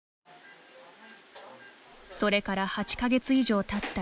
それから８か月以上たった